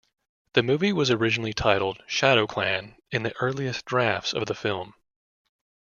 The movie was originally titled "Shadow Clan" in the earliest drafts of the film.